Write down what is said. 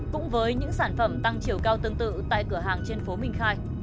cũng với những sản phẩm tăng chiều cao tương tự tại cửa hàng trên phố minh khai